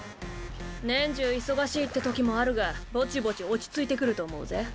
年中忙しいってときもあるがぼちぼち落ち着いてくると思うぜ。